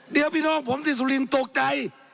เดี๋ยวพี่น้องผมด้วยที่สุลินตกใจ